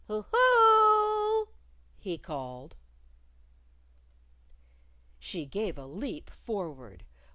"Hoo hoo oo oo!" he called. She gave a leap forward.